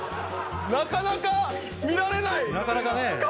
なかなか見られない顔ですよね？